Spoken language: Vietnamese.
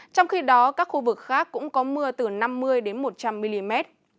trong khi đó các khu vực khác cũng có mưa từ năm mươi một trăm linh mm